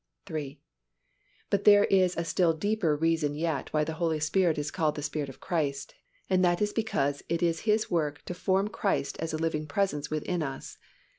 (3) But there is a still deeper reason yet why the Holy Spirit is called the Spirit of Christ, and that is because it is His work to form Christ as a living presence within us.